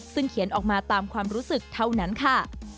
ซึ่งเขียนออกมาตามความรู้สึกเท่านั้นค่ะ